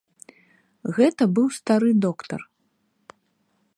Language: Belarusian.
Гэта быў стары доктар.